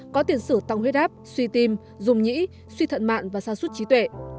có tiền sử tăng huyết áp suy tim dùng nhĩ suy thận mạng và sa sút trí tuệ